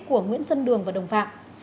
của nguyễn xuân đường và đồng phạm